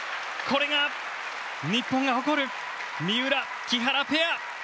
これが日本が誇る三浦、木原ペア。